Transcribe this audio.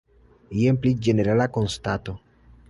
Jen pli ĝenerala konstato.